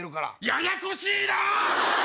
ややこしいなぁ！